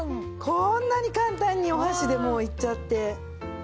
こんなに簡単にお箸でもういっちゃって。